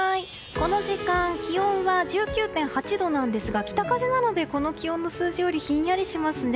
この時間気温は１９．８度ですが北風なので、この気温の数字よりひんやりしますね。